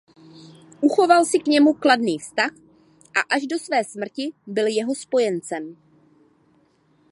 Uchoval si k němu kladný vztah a až do své smrti byl jeho spojencem.